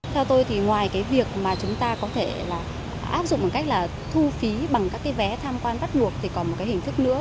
theo tôi thì ngoài cái việc mà chúng ta có thể là áp dụng bằng cách là thu phí bằng các cái vé tham quan bắt buộc thì còn một cái hình thức nữa